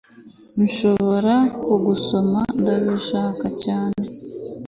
Nshobora kugusoma Ndabishaka cyane